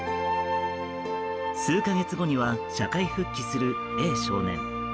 数か月後には社会復帰するＡ少年。